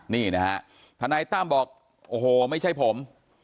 นี่นะฮะทนายตั้มบอกโอ้โหไม่ใช่ผม